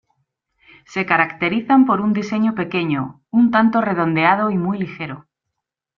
Se caracterizan por un diseño pequeño, un tanto redondeado y muy ligero.